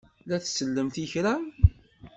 La tsellemt i kra?